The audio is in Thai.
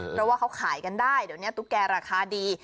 เพราะว่าเขาขายกันได้เดี๋ยวนี้ตุ๊กแก่ราคาดี